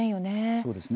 そうですね。